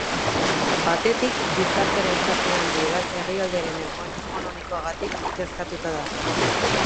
Batetik, gizartearen zati handi bat herrialdearen egoera ekonomikoagatik kezkatuta dago.